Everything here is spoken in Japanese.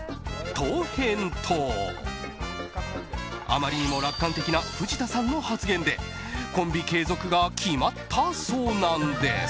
あまりにも楽観的な藤田さんの発言でコンビ継続が決まったそうなんです。